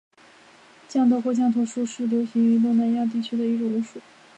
降头或降头术是流行于东南亚地区的一种巫术。